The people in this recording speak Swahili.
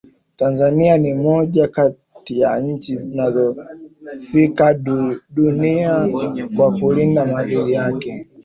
Tanzania ni moja kati ya nchi zinazosifika duniani kwa kulinda maadili yake